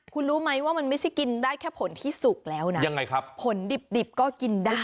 คุณรู้มั้ยว่ามันไม่ได้กินเพียงผลที่สุกแล้วนะผลดิบก็กินได้